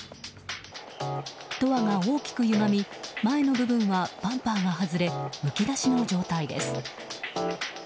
ドアが大きくゆがみ前の部分はバンパーが外れむき出しの状態です。